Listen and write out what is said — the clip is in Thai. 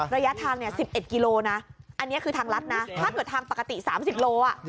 ระยะทาง๑๑กิโลนะอันนี้คือทางรัฐนะถ้าเกิดทางปกติ๓๐โล